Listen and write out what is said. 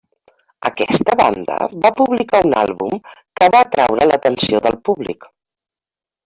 Aquesta banda va publicar un àlbum que va atraure l'atenció del públic.